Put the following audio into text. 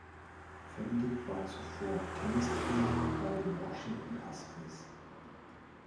Fendick war zuvor Tennistrainer bei den Washington Huskies.